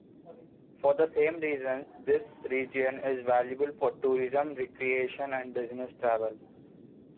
For the same reasons this region is valuable for tourism, recreation and business travel.